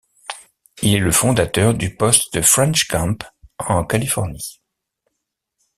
Il est le fondateur du poste de French Camp, en Californie.